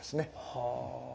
はあ。